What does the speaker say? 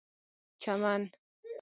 چمن